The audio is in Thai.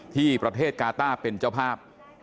ที่ประเทศกาต้าเป็นเจ้าภาพ